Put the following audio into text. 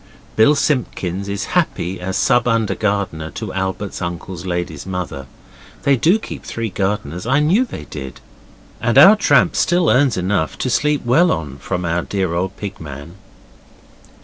Bill Simpkins is happy as sub under gardener to Albert's uncle's lady's mother. They do keep three gardeners I knew they did. And our tramp still earns enough to sleep well on from our dear old Pig man.